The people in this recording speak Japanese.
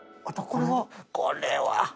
これは。